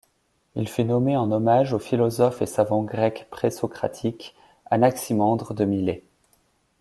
Il fut nommé en hommage au philosophe et savant grec présocratique Anaximandre de Milet.